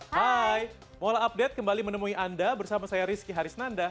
hai mola update kembali menemui anda bersama saya rizky harisnanda